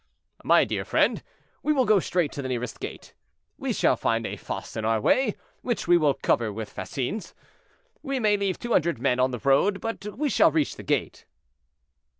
"My dear friend, we will go straight to the nearest gate. We shall find a fosse in our way, which we will cover with fascines; we may leave two hundred men on the road, but we shall reach the gate."